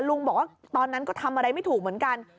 ลุงบอกว่าตอนนั้นก็ทำอะไรไม่ถูกเหมือนกัน